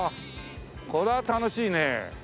これは楽しいね。